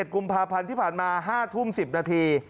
กุมภาพันธ์ที่ผ่านมา๕ทุ่ม๑๐นาที